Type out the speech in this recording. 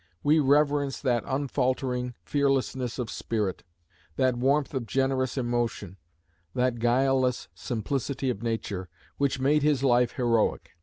We reverence that unfaltering fearlessness of spirit, that warmth of generous emotion, that guileless simplicity of nature, which made his life heroic.